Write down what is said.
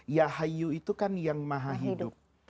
yahayu itu kan yang maha hidup